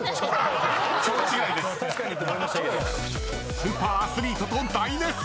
スーパーアスリートと大熱戦。